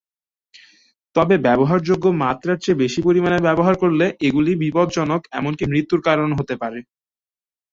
তবে ব্যবহারযোগ্য মাত্রার চেয়ে বেশি পরিমাণে ব্যবহার করলে এগুলি বিপজ্জনক এমনকি মৃত্যুর কারণ হতে পারে।